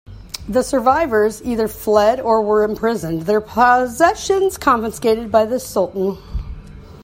The survivors either fled or were imprisoned, their possessions confiscated by the Sultan.